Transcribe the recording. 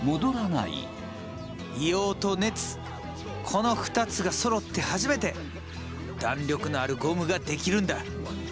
この２つがそろって初めて弾力のあるゴムが出来るんだ。